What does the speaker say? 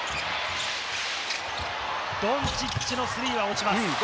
ドンチッチのスリーは落ちます。